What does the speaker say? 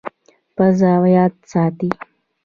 پزه یاد ساتي.